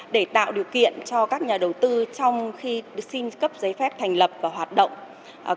để tạo điều kiện cho các nhà đầu tư trong khi xin cấp giấy phép thành lập và hoạt động